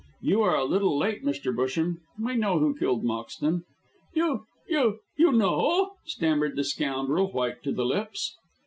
You are a little late, Mr. Busham. We know who killed Moxton." "You you you know!" stammered the scoundrel, white to the lips.